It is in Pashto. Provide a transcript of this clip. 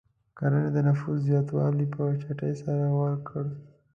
کرنې د نفوس زیاتوالی په چټکۍ سره ورکړ.